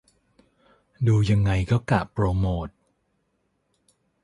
ดูยังไงก็กะโปรโมท